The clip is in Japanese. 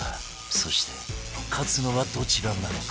そして勝つのはどちらなのか？